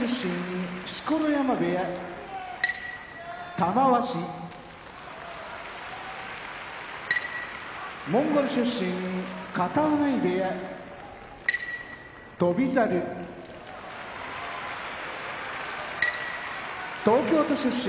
玉鷲モンゴル出身片男波部屋翔猿東京都出身